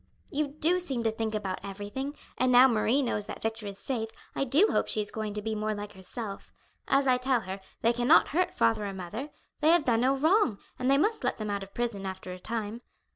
"You do seem to think about everything; and now Marie knows that Victor is safe, I do hope she is going to be more like herself. As I tell her, they cannot hurt father or mother. They have done no wrong, and they must let them out of prison after a time.